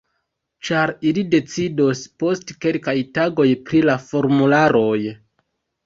Ĉar ili decidos post kelkaj tagoj pri la formularoj